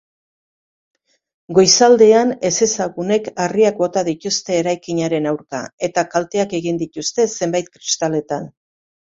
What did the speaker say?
Goizaldean ezezagunek harriak bota dituzte eraikinaren aurka eta kalteak egin dituzte zenbait kristaletan.